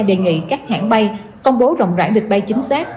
đề nghị các hãng bay công bố rộng rãi lịch bay chính xác